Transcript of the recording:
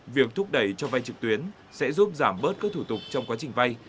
việc thúc đẩy cho vay trực tuyến sẽ giúp giảm bớt các thủ tục trong quá trình vay